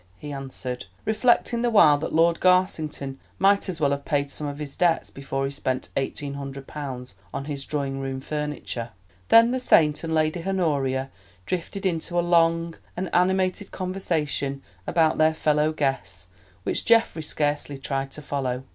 he answered, reflecting the while that Lord Garsington might as well have paid some of his debts before he spent eighteen hundred pounds on his drawing room furniture. Then the Saint and Lady Honoria drifted into a long and animated conversation about their fellow guests, which Geoffrey scarcely tried to follow.